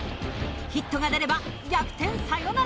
ヒットが出れば逆転サヨナラ勝ち。